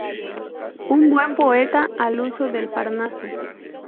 Un buen poeta al uso del Parnaso.